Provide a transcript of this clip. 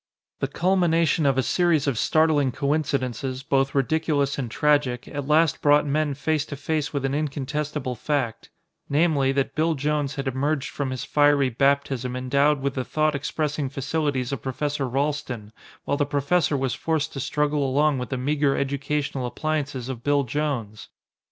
The culmination of a series of startling coincidences, both ridiculous and tragic, at last brought men face to face with an incontestable fact: namely, that Bill Jones had emerged from his fiery baptism endowed with the thought expressing facilities of Professor Ralston, while the professor was forced to struggle along with the meager educational appliances of Bill Jones!